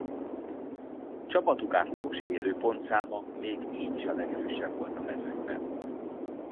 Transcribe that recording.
Csapatuk átlagos Élő-pontszáma még így is a legerősebb volt a mezőnyben.